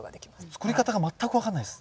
作り方が全く分かんないです。